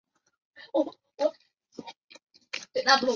条裂叶报春为报春花科报春花属下的一个种。